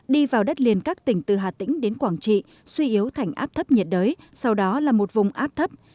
đi vào đất liền các tỉnh từ hà tĩnh đến quảng trị suy yếu thành áp thấp nhiệt đới sau đó là một vùng áp thấp